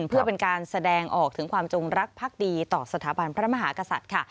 เพื่อเป็นการแสดงออกถึงความจงรักภักดีต่อสถาบันพระมหากษัตริย์ค่ะ